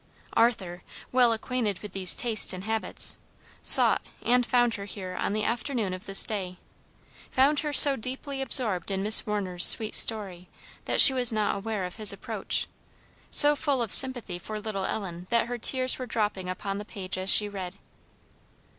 Arthur, well acquainted with these tastes and habits, sought, and found her here on the afternoon of this day found her so deeply absorbed in Miss Warner's sweet story that she was not aware of his approach so full of sympathy for little Ellen that her tears were dropping upon the page as she read.